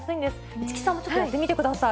市來さんもちょっとやってみてください。